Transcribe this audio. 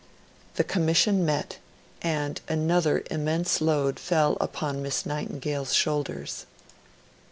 The Commission met, and another immense load fell upon Miss Nightingale's shoulders.